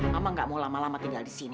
mama gak mau lama lama tinggal di sini